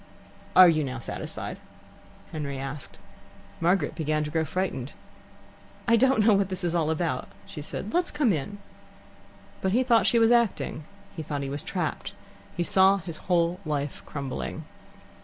"Are you now satisfied?" Henry asked. Margaret began to grow frightened. "I don't know what it is all about," she said. "Let's come in." But he thought she was acting. He thought he was trapped. He saw his whole life crumbling.